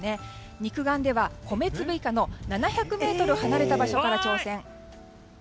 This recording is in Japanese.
肉眼では米粒以下の７００ｍ離れた場所から挑戦。